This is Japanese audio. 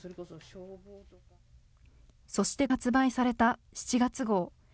そして発売された７月号。